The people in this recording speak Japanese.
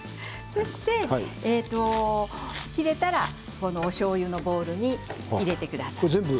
切れたらおしょうゆのボウルに入れてください。